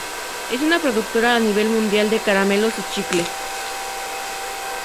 Es una productora a nivel mundial de caramelos y chicle.